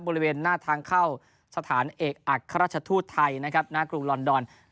บริเวณหน้าทางเข้าสถานเอกอัครราชทูตไทยนะครับหน้ากรุงลอนดอน